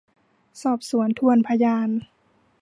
สอบสวนทวนพยาน